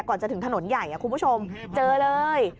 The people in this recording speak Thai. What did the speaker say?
ก่อนจะถึงถนนใหญ่คุณผู้ชมเจอเลย